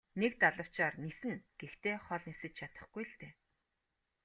Нэг далавчаар ниснэ гэхдээ хол нисэж чадахгүй л дээ.